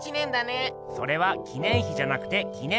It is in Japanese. それは「記念碑」じゃなくて「記念日」！